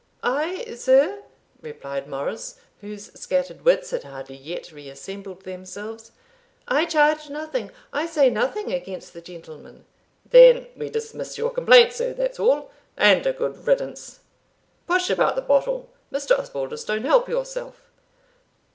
"I, sir?" replied Morris, whose scattered wits had hardly yet reassembled themselves; "I charge nothing I say nothing against the gentleman," "Then we dismiss your complaint, sir, that's all, and a good riddance Push about the bottle Mr. Osbaldistone, help yourself."